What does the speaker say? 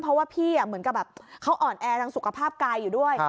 เพราะว่าพี่เหมือนกับแบบเขาอ่อนแอทางสุขภาพกายอยู่ด้วย